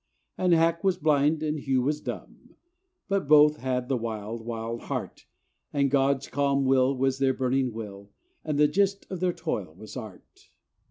And Hack was blind and Hew was dumb, But both had the wild, wild heart; And God's calm will was their burning will, And the gist of their toil was art.